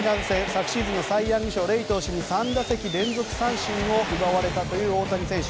昨シーズンのサイ・ヤング賞レイ投手に３打席連続三振を奪われた大谷選手。